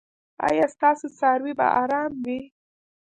ایا ستاسو څاروي به ارام وي؟